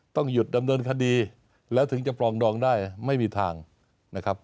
ต้องหยุดดำเนินคดีแล้วถึงจะปรองดองได้ไม่มีทางนะครับ